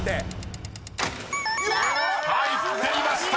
［入っていました。